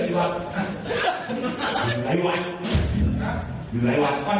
ก๋วนินแอ๋แอ๋